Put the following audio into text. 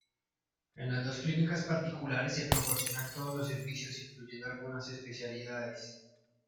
En las dos clínicas particulares se proporcionan todos los servicios incluyendo algunas especialidades.